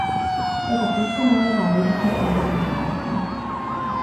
Tato funkce nalézá využití spíše u počítačů.